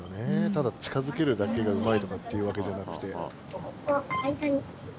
ただ近づけるだけがうまいとかっていうわけじゃなくて。